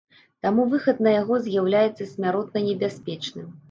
Таму выхад на яго з'яўляецца смяротна небяспечным.